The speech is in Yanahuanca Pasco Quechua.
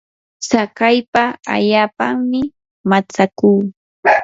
tsakaypa allaapami mantsakuu.